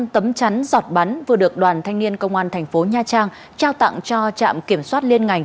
năm trăm linh tấm chắn giọt bắn vừa được đoàn thanh niên công an thành phố nha trang trao tặng cho trạm kiểm soát liên ngành